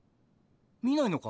見ないのか？